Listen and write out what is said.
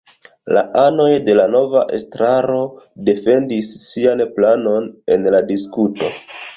La anoj de la nova estraro defendis sian planon en la diskuto.